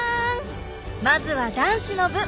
まずは男子の部。